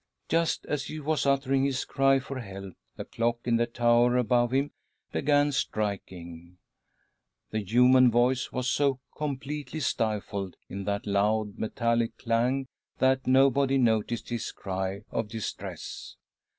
.7 Just as he was uttering his cry for help the clock in the tower above him began striking! The human voice was so completely stifled in that loud metallic clang that .nobody noticed his cry of distress.